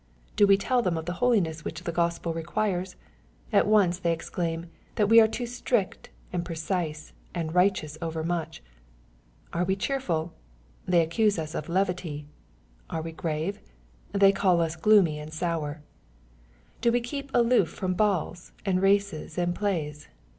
Do we tell them of the holiness which the Grospel requires ? At once they ex claim, that we are too strict, and precise, and righteous overmuch. — Are we cheerful ? They accuse us of levity. — ^Are we grave ? They call us gloomy and sour. — Do we keep aloof from balls, and races, and plays